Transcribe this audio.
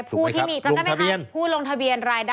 ถูกไหมครับลงทะเบียนจำได้ไหมครับ